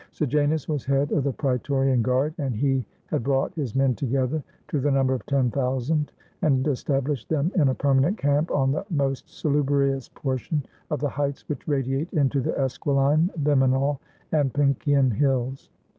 Sejanus was head of the Praetorian Guard, and he had brought his men together, to the number of ten thou sand, and established them in a permanent camp on the most salubrious portion of the heights which radiate into the Esquiline, Viminal, and Pincian Hills.